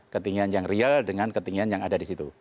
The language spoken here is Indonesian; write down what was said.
ketinggian yang real dengan ketinggian yang ada di situ